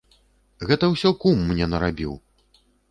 Гэта ўсё кум мне нарабіў!